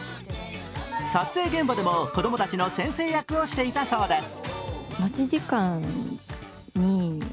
撮影現場でも子供たちの先生役をしていたそうです。